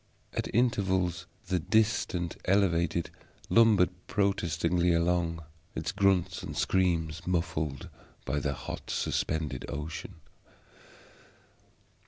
At intervals the distant elevated lumbered protestingly along, its grunts and screams muffled by the hot suspended ocean.